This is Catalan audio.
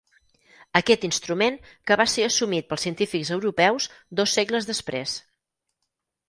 Aquest instrument que va ser assumit pels científics europeus dos segles després.